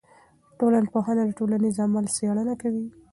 ټولنپوهنه د ټولنیز عمل څېړنه کوي.